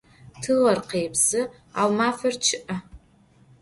Tığer khêpsı, au mafer ççı'e.